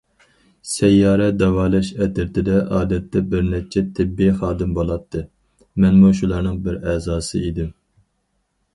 سەييارە داۋالاش ئەترىتىدە ئادەتتە بىر نەچچە تېببىي خادىم بولاتتى، مەنمۇ شۇلارنىڭ بىر ئەزاسى ئىدىم.